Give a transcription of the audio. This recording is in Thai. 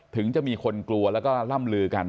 ถึงจะมีคนกลัวแล้วก็ล่ำลือกัน